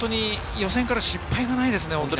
予選から失敗がないですね。